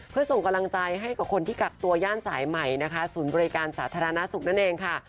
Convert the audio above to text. เพื่อส่งกำลังใจให้กับคนที่กักตัวย่านสายใหม่นะคะศูนย์บริการสาธารณสุขนั่นเองค่ะ